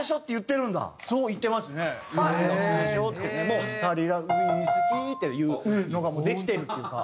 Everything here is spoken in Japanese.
もうタリラ「ウイスキー」っていうのがもうできてるっていうか。